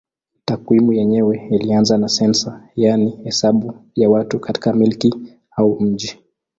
Takwimu yenyewe ilianza na sensa yaani hesabu ya watu katika milki au mji.